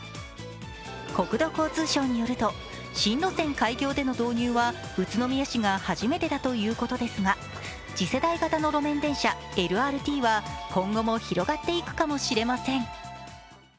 国土交通省によると新路線開業での導入は宇都宮市が初めてだということですが次世代型の路面電車＝ＬＲＴは今後も広がっていくかもしれません。